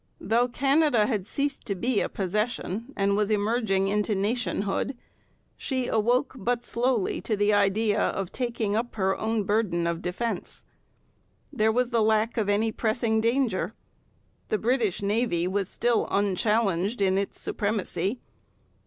Though Canada had ceased to be a 'possession' and was emerging into nationhood, she awoke but slowly to the idea of taking up her own burden of defence. There was the lack of any pressing danger. The British navy was still unchallenged in its supremacy.